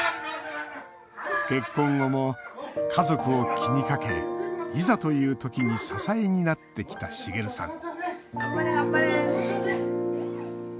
結婚後も家族を気にかけいざというときに支えになってきた滋さん